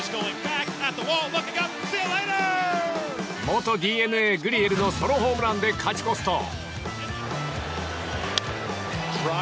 元ＤｅＮＡ、グリエルのソロホームランで勝ち越すと。